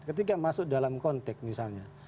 ketika masuk dalam konteks misalnya